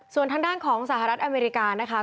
ส่วนทางด้านของสหรัฐอเมริกานะคะ